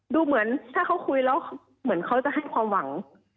ดูเหมือนถ้าเขาคุยแล้วเหมือนเขาจะให้ความหวัง